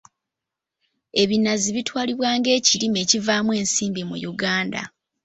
Ebinazi bitwalibwa nga ekirime ekivaamu ensimbi mu Uganda.